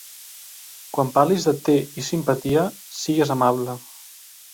Quan parlis de "Té i simpatia", sigues amable.